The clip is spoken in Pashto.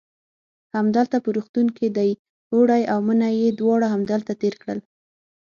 همدلته په روغتون کې دی، اوړی او منی یې دواړه همدلته تېر کړل.